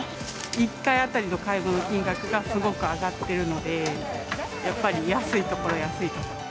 １回当たりの買い物の金額がすごく上がってるので、やっぱり安いところ、安いところ。